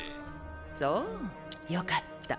そうよかった。